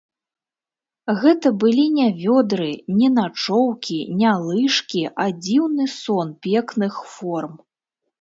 Гэта былі не вёдры, не начоўкі, не лыжкі, а дзіўны сон пекных форм.